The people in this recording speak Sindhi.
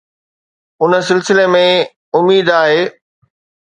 ان سلسلي ۾ اميد آهي.